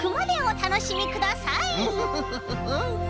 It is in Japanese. ムフフフフフ！